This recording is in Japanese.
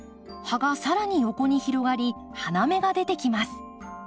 葉が更に横に広がり花芽が出てきます。